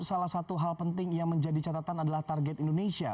salah satu hal penting yang menjadi catatan adalah target indonesia